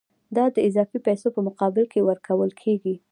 دا د اضافي پیسو په مقابل کې ورکول کېږي